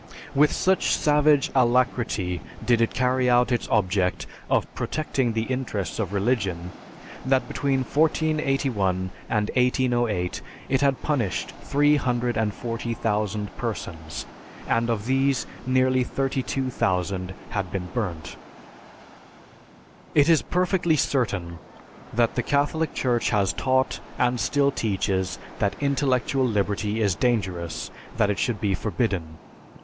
With such savage alacrity did it carry out its object of protecting the interests of religion that between 1481 and 1808 it had punished three hundred and forty thousand persons, and of these, nearly 32,000 had been burnt. "It is perfectly certain that the Catholic Church has taught, and still teaches that intellectual liberty is dangerous, that it should be forbidden.